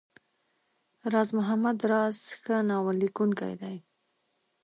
راز محمد راز ښه ناول ليکونکی دی.